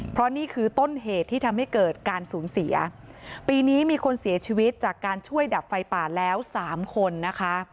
เพราะนี่คือต้นเหตุที่ทำให้เกิดการสูญเสียปีนี้มีคนเสียชีวิตจากการช่วยดับไฟป่าแล้วสามคนนะคะ